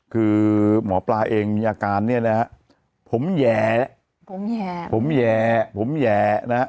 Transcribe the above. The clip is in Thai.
คือหมอปลาเองมีอาการเนี่ยนะฮะผมแย่ผมแย่ผมแย่ผมแย่นะฮะ